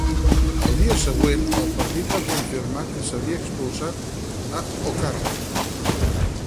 El dia següent, el partit va confirmar que s'havia expulsat a O'Carroll.